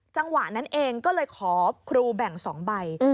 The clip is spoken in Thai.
จังหวะนั้นเองก็เลยขอครูแบ่ง๒ใบ